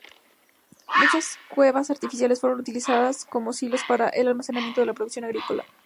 Muchas cuevas artificiales fueron utilizadas como silos para el almacenamiento de la producción agrícola.